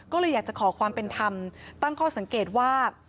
ก็เลยอยากจะขอความเป็นธรรมตั้งข้อสังเกตว่า